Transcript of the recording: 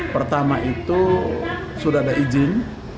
pertama itu sudah ada izin